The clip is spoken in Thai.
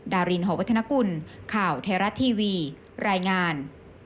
ดารินหอวัฒนกุลข่าวไทยรัฐทีวีรายงาน